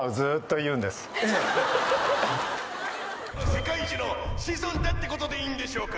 「世界樹の子孫だってことでいいんでしょうか？」